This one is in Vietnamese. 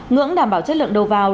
ngưỡng đảm bảo chất lượng đầu vào